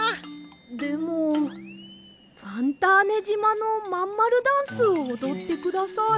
でもファンターネじまのまんまるダンスをおどってください。